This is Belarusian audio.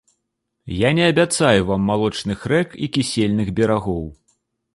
Я не абяцаю вам малочных рэк і кісельных берагоў!